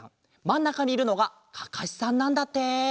まんなかにいるのがかかしさんなんだって。